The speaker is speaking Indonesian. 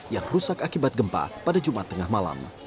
yang rusak akibat gempa pada jumat tengah malam